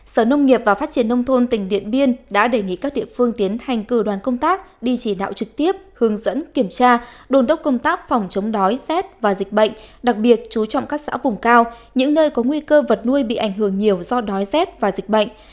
sở nông nghiệp và phát triển nông thôn tỉnh điện biên đã đề nghị các địa phương tiến hành cử đoàn công tác đi chỉ đạo trực tiếp hướng dẫn kiểm tra đồn đốc công tác phòng chống đói rét và dịch bệnh đặc biệt chú trọng các xã vùng cao những nơi có nguy cơ vật nuôi bị ảnh hưởng nhiều do đói rét và dịch bệnh